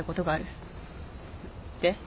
で？